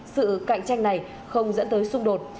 sự cạnh tranh này không dẫn tới xung đột